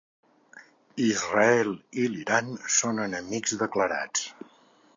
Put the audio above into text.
Israel i l’Iran són enemics declarats.